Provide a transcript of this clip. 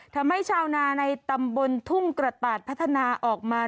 ทำให้ชาวนาในตำบลทุ่งกระตาดพัฒนาออกมา